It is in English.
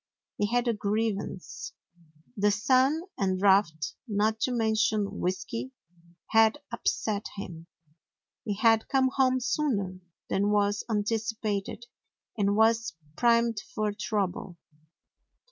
He had a grievance. The sun and drought, not to mention whisky, had upset him. He had come home sooner than was anticipated and was primed for trouble.